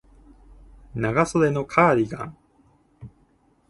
長袖のカーディガン